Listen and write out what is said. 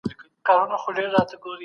ده وویل چي پښتو ژبه زموږ د تمدن نښه ده.